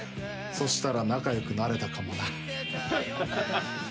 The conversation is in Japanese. そしたら仲良くなれたかもな。